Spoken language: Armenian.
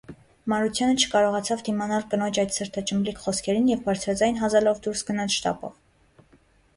Մարությանր չկարողացավ դիմանալ կնոջ այդ սրտաճմլիկ խոսքերին և բարձրաձայն հազալով դուրս գնաց շտապով: